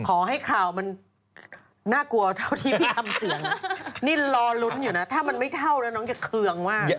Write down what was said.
ขอให้ข่าวมันน่ากลัวเท่าที่พี่ทำเสียงนี่รอลุ้นอยู่นะถ้ามันไม่เท่าแล้วน้องจะเคืองมาก